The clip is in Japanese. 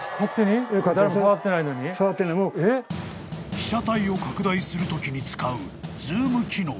［被写体を拡大するときに使うズーム機能］